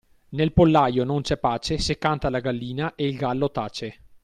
Nel pollaio non c'è pace se canta la gallina e il gallo tace.